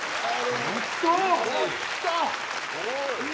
やった。